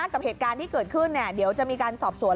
กับเหตุการณ์ที่เกิดขึ้นเดี๋ยวจะมีการสอบสวน